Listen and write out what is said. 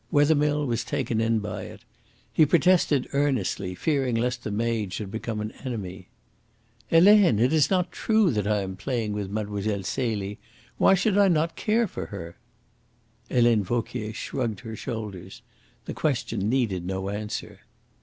Wethermill was taken in by it. He protested earnestly, fearing lest the maid should become an enemy. "Helene, it is not true that I am playing with Mlle. Celie. Why should I not care for her?" Helene Vauquier shrugged her shoulders. The question needed no answer.